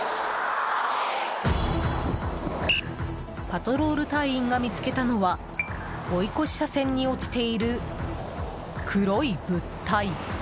パトロール隊員が見つけたのは追い越し車線に落ちている黒い物体。